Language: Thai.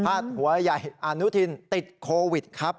หัวใหญ่อนุทินติดโควิดครับ